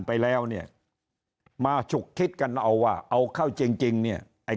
ไปแล้วเนี่ยมาฉุกคิดกันเอาว่าเอาเข้าจริงจริงเนี่ยไอ้